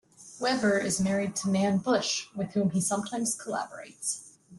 Weber is married to Nan Bush, with whom he sometimes collaborates.